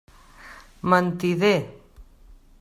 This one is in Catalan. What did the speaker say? Mentider!